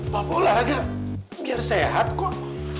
mau olahraga biar sehat kok